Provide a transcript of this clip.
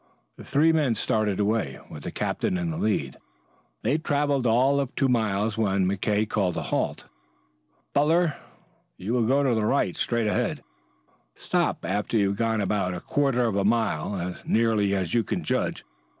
The three men started away, with the captain in the lead. They traveled all of two miles when McKay called a halt. "Butler, you will go to the right, straight ahead. Stop after you have gone about a quarter of a mile as nearly as you can judge.